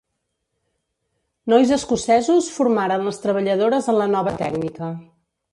Nois escocesos formaren les treballadores en la nova tècnica.